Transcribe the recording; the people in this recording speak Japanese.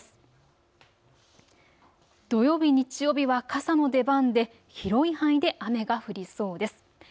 土曜日、日曜日は傘の出番で広い範囲で雨が降りそうです。